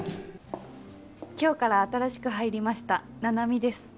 今日から新しく入りました菜々美です。